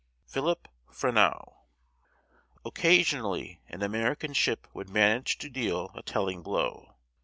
PHILIP FRENEAU. Occasionally, an American ship would manage to deal a telling blow.